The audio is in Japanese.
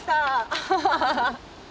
アハハハハ。